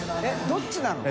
┐どっちなの？